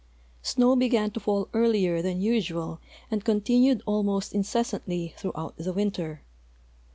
Snow began to fall earlier than usual and continued almost incessantly throughout the winter.